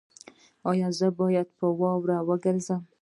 ایا زه باید په واوره وګرځم؟